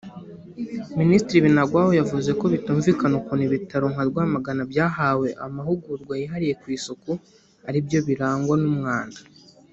Minisitiri Binagwaho yavuze ko bitumvikana ukuntu ibitaro nka Rwamagana byahawe amahugurwa yihariye ku isuku aribyo birangwa n’umwanda